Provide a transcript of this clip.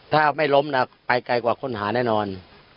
ถ้าไม่ล้มไปไกลกว่าค้นหาแน่นอน